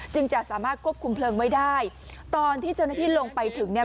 จะสามารถควบคุมเพลิงไว้ได้ตอนที่เจ้าหน้าที่ลงไปถึงเนี่ย